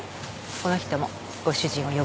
この人もご主人を呼ぶから。